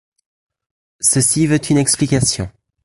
Ceci veut une explication.